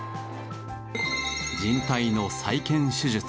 靱帯の再建手術